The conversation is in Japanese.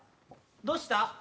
どうした？